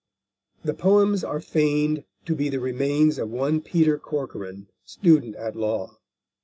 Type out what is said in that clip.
The poems are feigned to be the remains of one Peter Corcoran, student at law.